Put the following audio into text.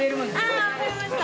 あぁ分かりました。